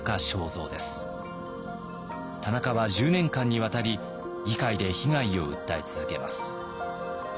田中は１０年間にわたり議会で被害を訴え続けます。